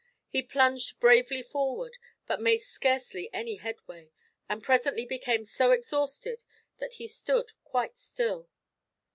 He plunged bravely forward, but made scarcely any headway, and presently became so exhausted that he stood quite still.